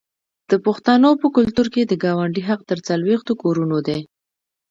د پښتنو په کلتور کې د ګاونډي حق تر څلوېښتو کورونو دی.